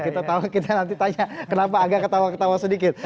kita nanti tanya kenapa agak ketawa ketawa sedikit